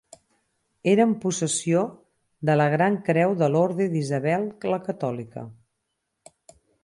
Era en possessió de la gran creu de l'Orde d'Isabel la Catòlica.